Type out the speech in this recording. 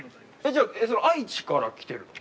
じゃあその愛知から来てるの？